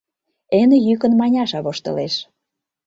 Эн йӱкын Маняша воштылеш.